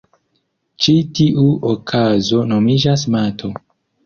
Ĉi tiu okazo nomiĝas mato.